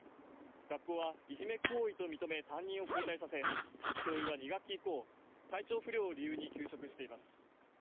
学校は、いじめ行為と認め担任を交代させ、教諭は２学期以降、体調不良を理由に休職しています。